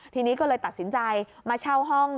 ทีนี้ก็เลยตัดสินใจมาเช่าห้อง